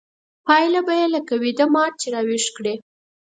پايله به يې لکه ويده مار چې راويښ کړې.